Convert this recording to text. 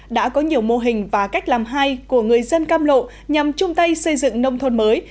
đã có nhiều mô hình và cách làm hay của người dân cam lộ nhằm chung tay xây dựng nông thôn mới